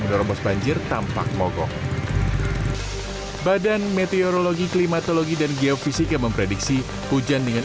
menerobos banjir tampak mogok badan meteorologi klimatologi dan geofisika memprediksi hujan dengan